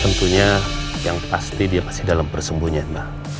tentunya yang pasti dia masih dalam persembunyian mbak